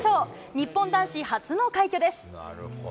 日本男子初の快挙です。